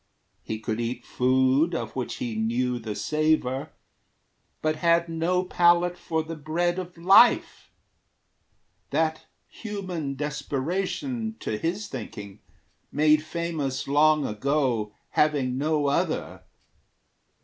He could eat food of which he knew the savor, But had no palate for the Bread of Life, That human desperation, to his thinking, Made famous long ago, having no other.